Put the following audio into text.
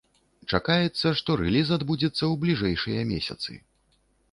Чакаецца, што рэліз адбудзецца ў бліжэйшыя месяцы.